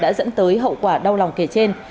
đã dẫn tới hậu quả đau lòng kể trên